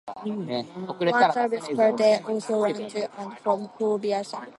One service per day also ran to and from Hull via Selby.